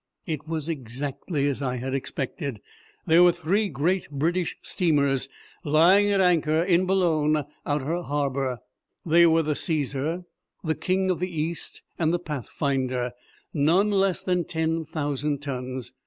It was exactly as I had expected. There were three great British steamers lying at anchor in Boulogne outer harbour. They were the Caesar, the King of the East, and the Pathfinder, none less than ten thousand tons.